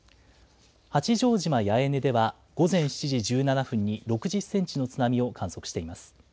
八丈島八重根では午前７時１７分に６０センチの津波を観測しています。